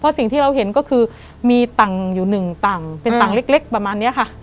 เพราะสิ่งที่เราเห็นก็คือมีต่างอยู่หนึ่งต่างเป็นต่างเล็กเล็กประมาณเนี้ยค่ะ